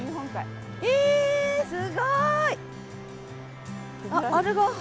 えすごい！